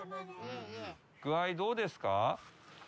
具合どうですか？